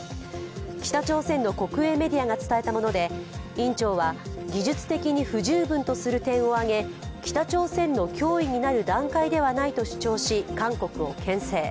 北朝鮮の国営メディアが伝えたもので院長は技術的に不十分とする点をあげ北朝鮮の脅威になる段階ではないと主張し、韓国をけん制。